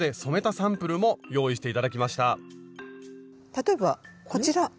例えばこちら。